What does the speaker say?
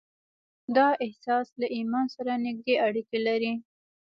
دا احساس له ايمان سره نږدې اړيکې لري.